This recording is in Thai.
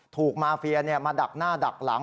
ถูกมาเฟียมาดักหน้าดักหลัง